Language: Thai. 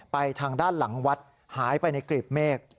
ไปทางด้านหลังวัดหายไปในกรีบเมฆ